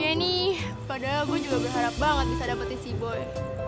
iya nih padahal gue juga berharap banget bisa dapetin sea boy